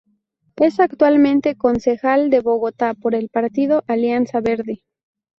Es actualmente concejal de Bogotá por el Partido Alianza Verde.